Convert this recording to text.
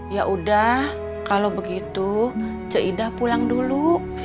ya udah kalau begitu jaidah pulang dulu